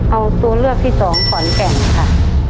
เอาตัวเลือกที่สองขอนแก่นค่ะ